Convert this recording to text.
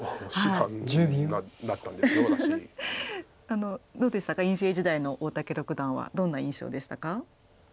あのどうでしたか院生時代の大竹六段はどんな印象でしたか？